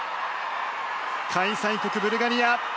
開催国、ブルガリア。